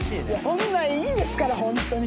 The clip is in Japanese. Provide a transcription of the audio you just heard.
そんなんいいですからホントに。